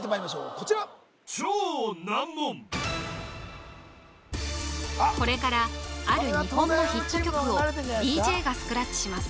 こちらこれからある日本のヒット曲をＤＪがスクラッチします